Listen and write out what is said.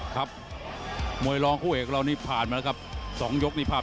ครับมวยลองผู้เอกเรานี่ผ่านมาแล้วครับ